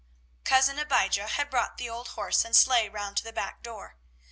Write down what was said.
Cousin Abijah had brought the old horse and sleigh round to the back door.